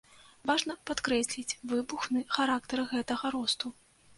Важна падкрэсліць выбухны характар гэтага росту.